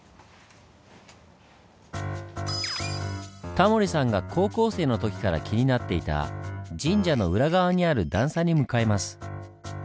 タモリさんが高校生の時から気になっていた神社の裏側にある段差に向かいます。